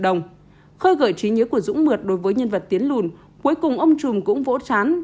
đồng khơi gợi trí nhớ của dũng mượt đối với nhân vật tiến lùn cuối cùng ông trùm cũng vỗ chán